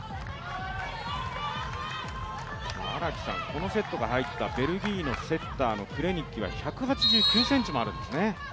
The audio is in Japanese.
このセットから入ったベルギーのセッターのクレニッキは１８９ｃｍもあるんですね。